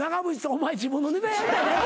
お前自分のネタやりたい。